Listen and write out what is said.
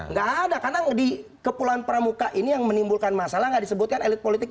nggak ada karena di kepulauan pramuka ini yang menimbulkan masalah nggak disebutkan elit politik